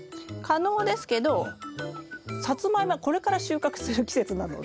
可能ですけどサツマイモはこれから収穫する季節なので。